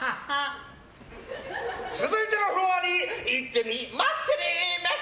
続いてのフロアに行ってみっますね！